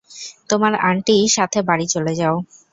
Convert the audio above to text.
তোমার আন্টি সাথে বাড়ি চলে যাও!